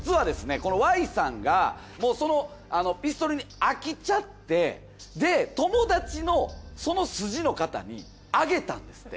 このＹさんがそのピストルに飽きちゃってで友達のその筋の方にあげたんですって。